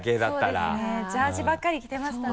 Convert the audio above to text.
そうですねジャージばっかり着てましたね。